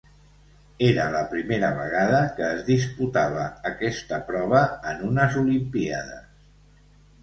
Era la primera vegada que es disputava aquesta prova en unes Olimpíades.